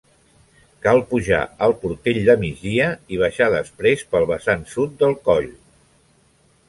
Cal pujar al Portell de Migdia i baixar després pel vessant sud del coll.